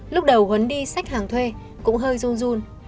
lúc đầu huấn đi sách hàng thuê cũng hơi run